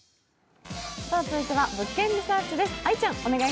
続いては「物件リサーチ」です。